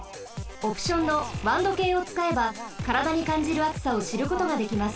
オプションのワン度計をつかえばからだにかんじるあつさをしることができます。